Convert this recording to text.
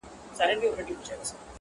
پر هر ځای به لکه ستوري ځلېدله-